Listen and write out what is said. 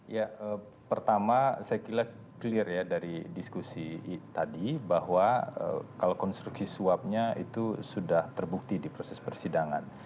ya pertama saya kira clear ya dari diskusi tadi bahwa kalau konstruksi suapnya itu sudah terbukti di proses persidangan